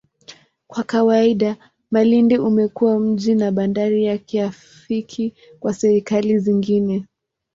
Kwa kawaida, Malindi umekuwa mji na bandari ya kirafiki kwa serikali zingine.